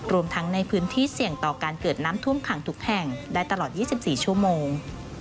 รวมทั้งในพื้นที่เสี่ยงต่อการเกิดน้ำท่วมขังทุกแห่งได้ตลอด๒๔ชั่วโมง